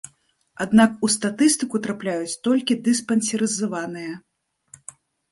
Аднак у статыстыку трапляюць толькі дыспансерызаваныя.